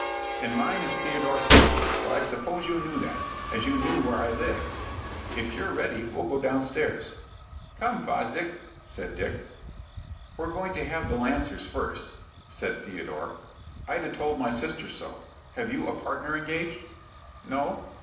"And mine is Theodore Selden; but I suppose you knew that, as you knew where I live. If you're ready, we'll go downstairs." "Come, Fosdick," said Dick. "We're going to have the Lancers first," said Theodore. "Ida told my sister so. Have you a partner engaged?" "No."